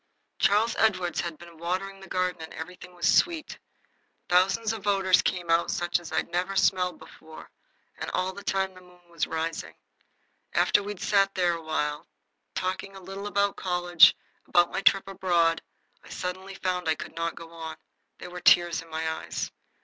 Charles Edward had been watering the garden, and everything was sweet. Thousands of odors came out such as I never smelled before. And all the time the moon was rising. After we had sat there awhile, talking a little about college, about my trip abroad, I suddenly found I could not go on. There were tears in my eyes.